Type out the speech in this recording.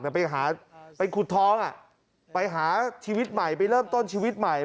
แต่ไปหาไปขุดทองไปหาชีวิตใหม่ไปเริ่มต้นชีวิตใหม่